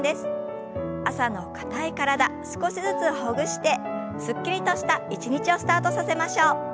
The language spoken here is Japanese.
朝の硬い体少しずつほぐしてすっきりとした一日をスタートさせましょう。